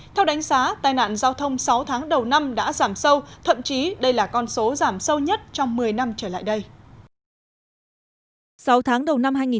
theo đánh giá tai nạn giao thông sáu tháng đầu năm đã giảm sâu thậm chí đây là con số giảm sâu nhất trong một mươi năm trở lại đây